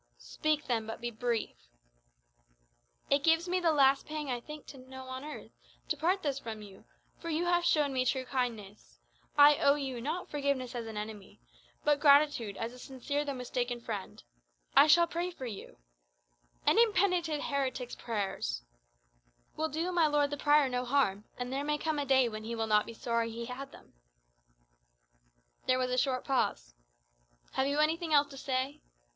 "Speak then; but be brief." "It gives me the last pang I think to know on earth, to part thus from you; for you have shown me true kindness. I owe you, not forgiveness as an enemy, but gratitude as a sincere though mistaken friend. I shall pray for you " "An impenitent heretic's prayers " "Will do my lord the prior no harm; and there may come a day when he will not be sorry he had them." There was a short pause. "Have you anything else to say?"